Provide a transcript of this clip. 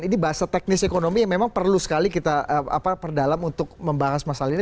ini bahasa teknis ekonomi yang memang perlu sekali kita perdalam untuk membahas masalah ini